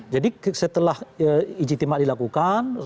jadi setelah ijitimak dilakukan